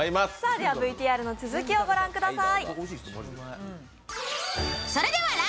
ではＶＴＲの続きをご覧ください。